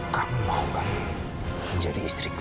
kamu mau gak menjadi istriku